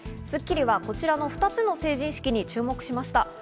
『スッキリ』はこちらの２つの成人式に注目しました。